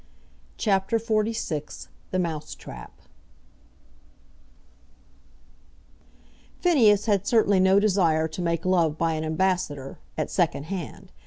CHAPTER XLVI The Mousetrap Phineas had certainly no desire to make love by an ambassador, at second hand.